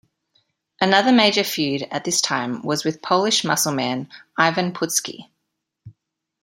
Another major feud at this time was with Polish muscleman Ivan Putski.